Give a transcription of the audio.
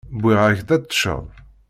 Wwiɣ-ak-d ad teččeḍ.